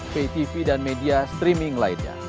btv dan media streaming lainnya